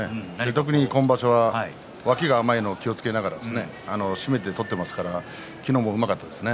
特に今場所は脇が甘いのを気をつけながら締めて取っていますから昨日もうまかったですね。